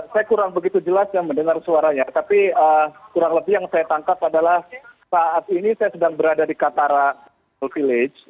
saya kurang begitu jelas ya mendengar suaranya tapi kurang lebih yang saya tangkap adalah saat ini saya sedang berada di qatara village